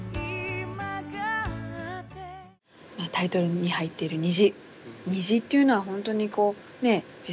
タイトルに入っている虹。